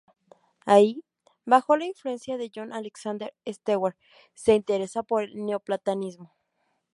Ahí, bajo la influencia de John Alexander Stewart, se interesa por el neoplatonismo.